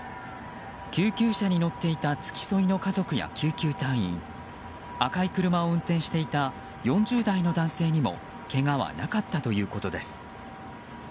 救急車に乗っていた付き添いの家族や救急隊員赤い車を運転していた４０代の男性にもけがはなかったということです。